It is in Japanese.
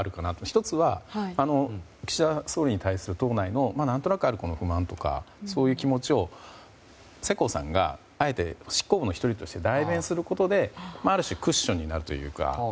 １つは、岸田総理に対する党内のある不満とか、そういう気持ちを世耕さんがあえて執行部の１人として代弁することでクッションになるというか。